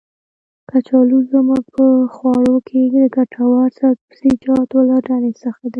کچالو زمونږ په خواړو کې د ګټور سبزيجاتو له ډلې څخه دی.